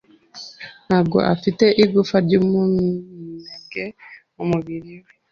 Ntabwo afite igufwa ryumunebwe mumubiri we.